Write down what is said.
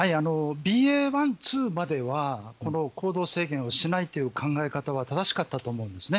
ＢＡ．１とＢＡ．２までは行動制限をしないという考え方は正しかったと思うんです。